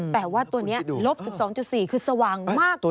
แปลว่าตัวนี้รบ๑๒๔คือสว่างมากกว่า